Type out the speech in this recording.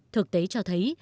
thực tế cho thấy